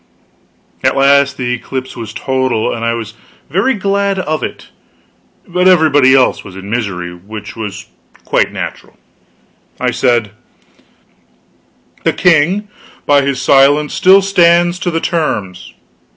At last the eclipse was total, and I was very glad of it, but everybody else was in misery; which was quite natural. I said: "The king, by his silence, still stands to the terms."